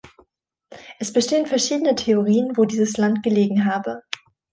Es bestehen verschiedene Theorien, wo dieses Land gelegen habe.